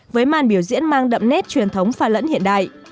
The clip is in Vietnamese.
với màn biểu diễn mang đậm nét truyền thống phà lẫn hiện đại